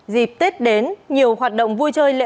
dịp tết đến nhiều hoạt động vui cho các bạn